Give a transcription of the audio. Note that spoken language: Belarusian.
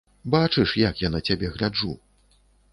Бачыш, як я на цябе гляджу.